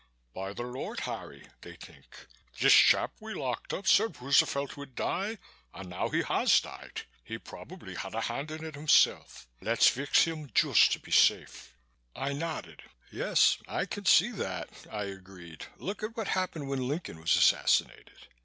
'By the Lord Harry!' they think, 'this chap we locked up said Roosevelt would die and now he has died. He probably had a hand in it himself. Let's fix him just to be safe!'" I nodded. "Yes, I can see that," I agreed. "Look at what happened when Lincoln was assassinated.